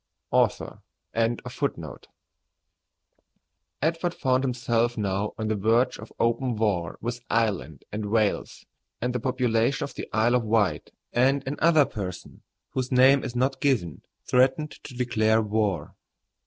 AUTHOR.] Edward found himself now on the verge of open war with Ireland and Wales, and the population of the Isle of Wight and another person, whose name is not given, threatened to declare war.